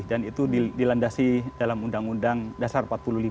itu dilandasi dalam undang undang dasar empat puluh lima